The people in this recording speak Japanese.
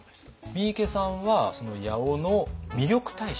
三池さんは八尾の魅力大使。